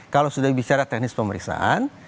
kalau sudah bicara teknis pemeriksaan